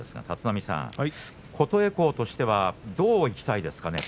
立浪さん、琴恵光としてはどういきたいですか？